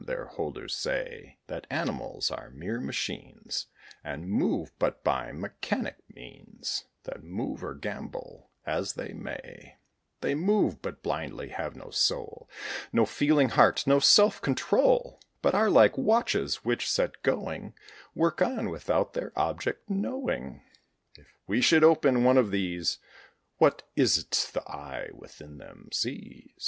Their holders say That animals are mere machines, And move but by mechanic means; That, move or gambol as they may, They move but blindly, have no soul, No feeling heart, no self control; But are like watches, which, set going, Work on, without their object knowing. If we should open one of these, What is't the eye within them sees?